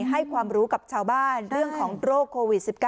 ให้ความรู้กับชาวบ้านเรื่องของโรคโควิด๑๙